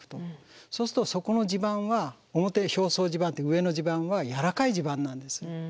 そうするとそこの地盤は表表層地盤って上の地盤は軟らかい地盤なんです。